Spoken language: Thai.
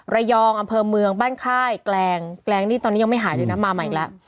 ระยองอำเภอเมืองบ้านค่ายแกลงแกลงนี่ตอนนี้ยังไม่หายเลยนะมาใหม่อีกแล้ว